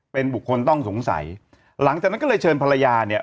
เป็นบุคคลต้องสงสัยหลังจากนั้นก็เลยเชิญภรรยาเนี่ย